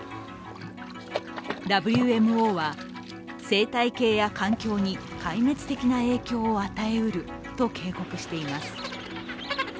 ＷＭＯは生態系や環境に壊滅的な影響を与えうると警告しています。